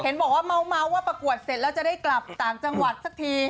เห็นบอกว่าเมาส์ว่าประกวดเสร็จแล้วจะได้กลับต่างจังหวัดสักที